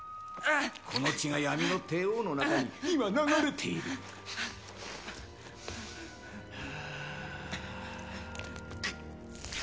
この血が闇の帝王の中に今流れているはあ